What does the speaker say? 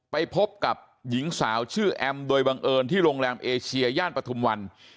ไปพบกับหญิงสาวชื่อแอมโดยบังเอิญที่โรงแรมเอเชียย่านปฐุมวัน